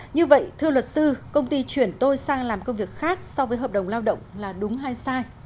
như vậy thưa luật sư công ty chuyển tôi sang làm công việc khác so với hợp đồng lao động là đúng hay sai